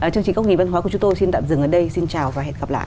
chương trình góc nhìn văn hóa của chúng tôi xin tạm dừng ở đây xin chào và hẹn gặp lại